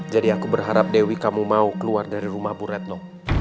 jadi aku berharap dewi kamu mau keluar dari rumah bu retno